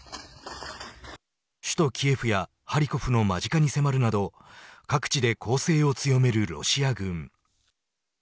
首都キエフやハリコフの間近に迫るなど各地で攻勢を強めるロシア軍。